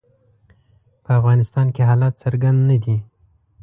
په افغانستان کې حالات څرګند نه دي.